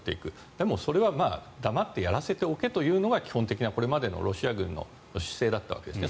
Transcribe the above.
でも、それは黙ってやらせておけというのが基本的なこれまでのロシア軍の姿勢だったわけですね。